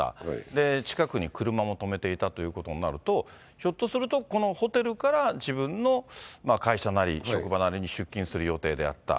で、近くに車も止めていたということになると、ひょっとすると、このホテルから自分の会社なり、職場なりに出勤する予定であった。